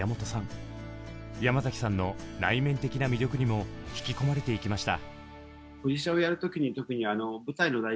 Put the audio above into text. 山崎さんの内面的な魅力にも引き込まれていきました。